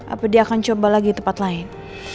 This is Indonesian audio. apa dia akan coba lagi tempat lain